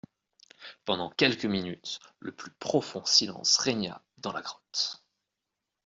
Pendant quelques minutes, le plus profond silence régna dans la grotte.